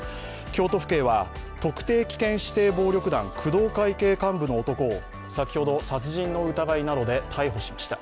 京都府警は特定危険指定暴力団・工藤会系幹部の男を先ほど殺人の疑いなどで逮捕しました。